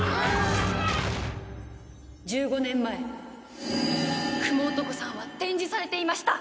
１５年前蜘蛛男さんは展示されていました。